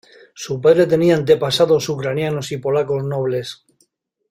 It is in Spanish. Su padre tenía antepasados ucranianos y polacos nobles.